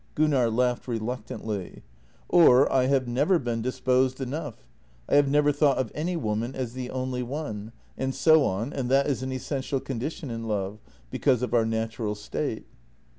Gunnar laughed reluctantly: " Or I have never been dis posed enough; I have never thought of any woman as the only one — and so on, and that is an essential condition in love — because of our natural state."